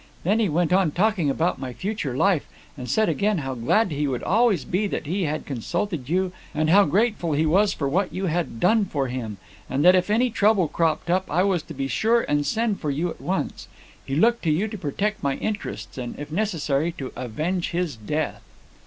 Then he went on talking about my future life, and said again how glad he would always be that he had consulted you, and how grateful he was for what you had done for him, and that if any trouble cropped up, I was to be sure and send for you at once. He looked to you to protect my interests, and, if necessary, to avenge his death.